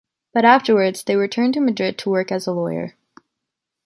But afterwards they returned to Madrid to work as a lawyer.